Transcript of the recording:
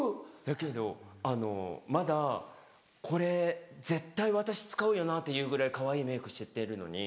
だけどまだこれ絶対私使うよなっていうぐらいかわいいメイクしてってるのに。